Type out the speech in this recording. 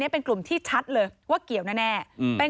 เป็นกลุ่มที่ชัดเลยว่าเกี่ยวแน่